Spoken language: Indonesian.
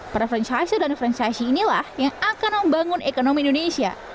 para franchiser dan franchisee inilah yang akan membangun ekonomi indonesia